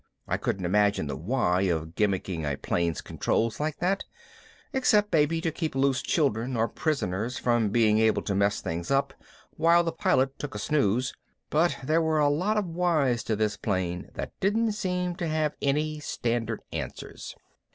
I couldn't imagine the why of gimmicking a plane's controls like that, unless maybe to keep loose children or prisoners from being able to mess things up while the pilot took a snooze, but there were a lot of whys to this plane that didn't seem to have any standard answers.